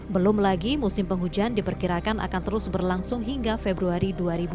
belum lagi musim penghujan diperkirakan akan terus berlangsung hingga februari dua ribu dua puluh